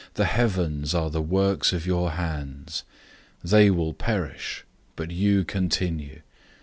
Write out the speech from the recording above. The heavens are the works of your hands. 001:011 They will perish, but you continue.